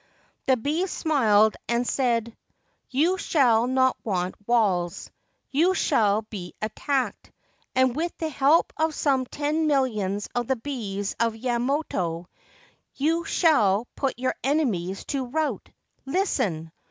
The bee smiled and said :' You shall not want walls. You shall be attacked, and, with the help of some ten millions of the bees of Yamato, you shall put your enemies to rout. Listen